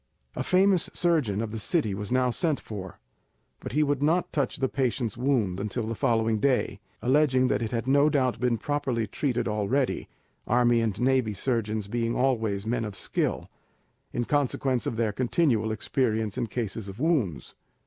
A famous surgeon of the city was now sent for, but he would not touch the patient's wound until the following day, alleging that it had no doubt been properly treated already, army and navy surgeons being always men of skill, in consequence of their continual experience in cases of wounds.